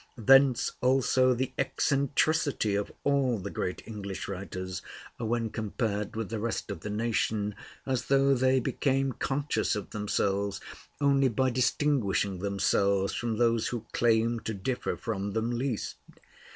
Thence also the eccentricity of all the great English writers when compared with the rest of the nation, as though they became conscious of themselves only by distinguishing themselves from those who claim to differ from them least.